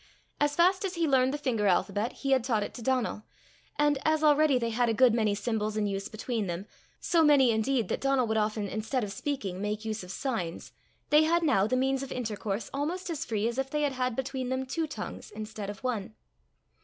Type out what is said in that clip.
As fast as he learned the finger alphabet he had taught it to Donal, and, as already they had a good many symbols in use between them, so many indeed that Donal would often instead of speaking make use of signs, they had now the means of intercourse almost as free as if they had had between them two tongues instead of one.